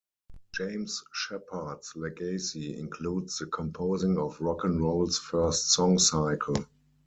James Sheppard's legacy includes the composing of rock 'n' roll's first song cycle.